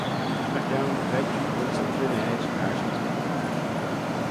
Mychione credjue ayns y trinaid casherick.